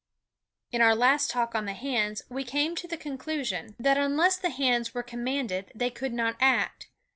In our last Talk on the Hands we came to the conclusion, that unless the hands were commanded they could not act.